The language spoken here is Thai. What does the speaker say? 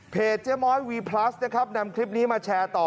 เจ๊ม้อยวีพลัสนะครับนำคลิปนี้มาแชร์ต่อ